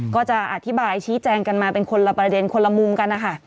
ก็จะอธิบายชี้แจงกันมาเป็นคนละประเด็นคนละมุมกันนะคะ